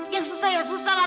yang susah ya susah lah